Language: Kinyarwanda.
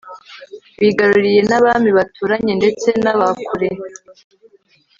bigaruriye n'abami baturanye ndetse n'aba kure